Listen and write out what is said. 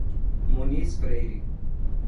Muniz Freire